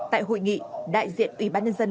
tại hội nghị đại diện ủy ban nhân dân